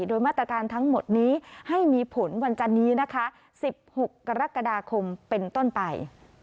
โดยมาตรการทั้งหมดนี้ให้มีผลวันจันนี้นะคะ๑๖กรกฎาคมเป็นต้นไป